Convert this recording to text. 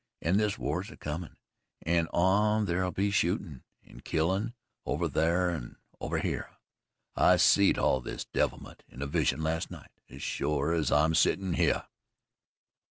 An' this war's a comin' on an' thar'll be shootin' an' killin' over thar an' over hyeh. I seed all this devilment in a vision last night, as shore as I'm settin' hyeh."